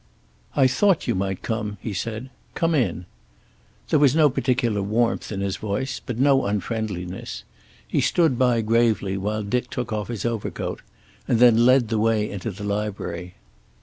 "I thought you might come," he said. "Come in." There was no particular warmth in his voice, but no unfriendliness. He stood by gravely while Dick took off his overcoat, and then led the way into the library.